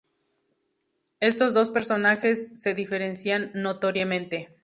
Estos dos personajes se diferencian notoriamente.